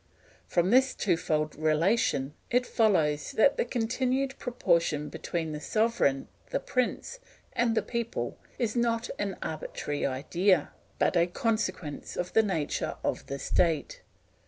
From this twofold relation it follows that the continued proportion between the sovereign, the prince, and the people is not an arbitrary idea, but a consequence of the nature of the state.